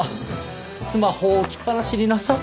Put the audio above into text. スマホを置きっぱなしになさって。